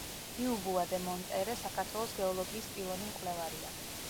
დიუბუა დე მონპერე საქართველოს გეოლოგიის პირველი მკვლევარია.